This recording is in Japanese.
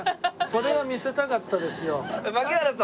それは見せたかったですよ。